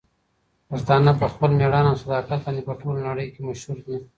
پښتانه په خپل مېړانه او صداقت باندې په ټوله نړۍ کې مشهور دي.